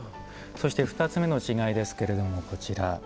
そして２つ目の違いですけれどもこちら。